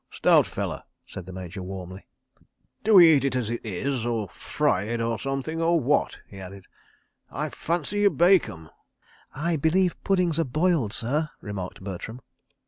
"Stout fella," said the Major warmly. "Do we eat it as it is—or fry it, or something, or what?" he added. "I fancy you bake 'em. ..." "I believe puddings are boiled, sir," remarked Bertram.